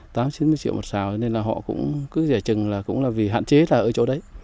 tám chín mươi triệu một xào cho nên là họ cũng cứ rẻ chừng là cũng là vì hạn chế là ở chỗ đấy